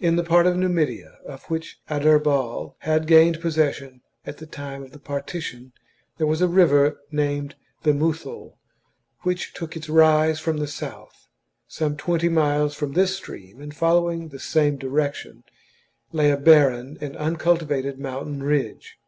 In the part of Numidia of which Adherbal had gained possession at the time of the partition there was a river named the Muthul, which took its rise from the south. Some twenty miles from this stream, and following the same direction, lay a barren and un cultivated mountain ridge.